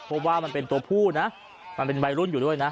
ว่ามันเป็นตัวผู้นะมันเป็นวัยรุ่นอยู่ด้วยนะ